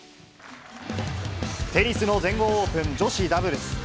テニスの全豪オープン、女子ダブルス。